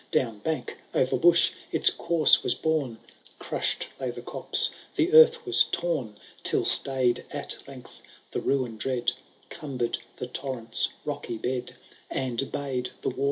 Down bank, o'er bush, its course was borne, CrusVd lay the copse, the earth was torn. Till staid at length, the ruin dread Cumbered the torrent's rocky bed, I r.